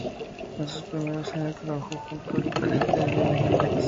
En sus primeros años trabajó junto al guitarrista Jimi Hendrix.